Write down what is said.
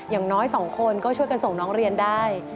อย่างน้อย๒คนก็ช่วยกันส่งน้องเรียนได้